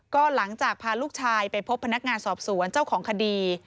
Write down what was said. ก็หลังจากพาลูกชายไปพบพนักงานสอบสวนเจ้าของคดี